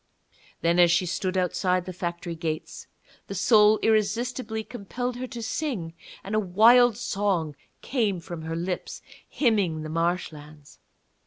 Then, as she stood outside the factory gates, the soul irresistibly compelled her to sing, and a wild song came from her lips, hymning the marshlands.